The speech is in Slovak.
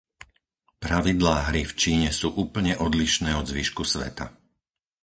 Pravidlá hry v Číne sú úplne odlišné od zvyšku sveta.